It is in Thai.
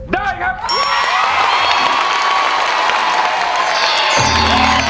ได้ครับ